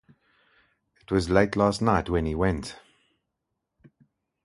It was late last night when he went.